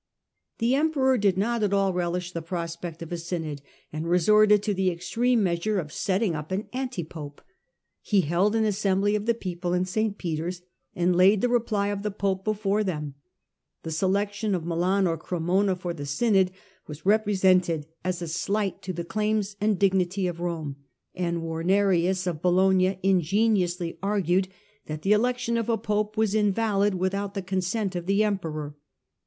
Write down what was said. The emperor did not at all relish the prospect of a synod, and resorted to the extreme measure of setting up an anti pope. He held an assembly of the people in The arch S*' P^t^^'s and laid the reply of the pope before B^ °' ^©»i The selection of Milan or Cremona for ^S^ope, *^® synod was represented as a slight to the ^^^® claims and dignity of Rome, and Wamerius of Bologna ingeniously argued that the election of a pope was invalid without the consent of the emperor.